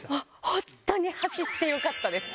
本当に走ってよかったです。